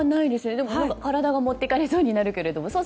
でも、体が持っていかれそうになるけれども。